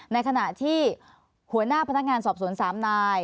ในขณะที่หัวหน้าพนักงานสอบสวน๓นาย